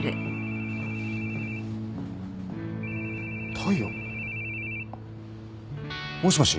大陽？もしもし？